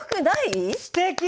すてき！